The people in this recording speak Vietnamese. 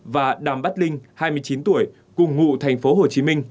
và đàm bát linh hai mươi chín tuổi cùng ngụ tp hcm